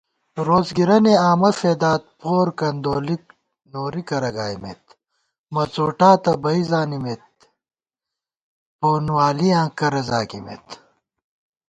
روڅگِرَنےآمہ فېدات پور کندولِک نوری کرہ گائیمېت * مڅوٹاں تہ بئ زانِمېت پونوالِیاں کرہ زاگِمېت